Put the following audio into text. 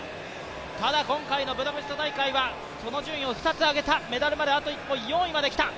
ただ今回のブダペスト大会はその順位を２つ上げた、メダルまであと一歩、４位まできた。